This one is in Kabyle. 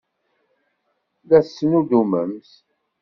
Ur la tettnuddumemt.